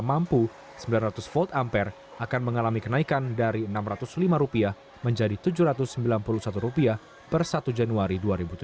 mampu sembilan ratus volt ampere akan mengalami kenaikan dari rp enam ratus lima menjadi rp tujuh ratus sembilan puluh satu per satu januari dua ribu tujuh belas